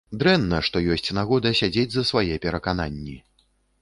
Дрэнна, што ёсць нагода сядзець за свае перакананні.